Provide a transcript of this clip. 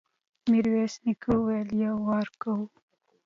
ميرويس نيکه وويل: يو وار کوو.